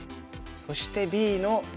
そしてＢの切り。